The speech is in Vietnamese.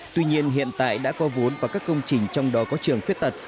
tuy nhiên hiện tại đã có vốn và các công trình trong đó có trường khuyết tật